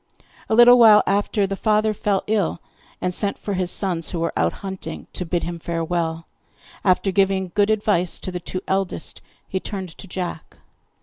A little while after, the father fell ill, and sent for his sons, who were out hunting, to bid him farewell. After giving good advice to the two eldest, he turned to Jack.